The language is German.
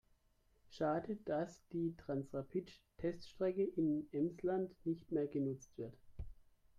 Schade, dass die Transrapid-Teststrecke im Emsland nicht mehr genutzt wird.